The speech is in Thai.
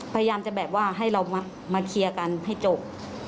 พยายามจะแบบว่าให้เรามาเคลียร์กันให้จบ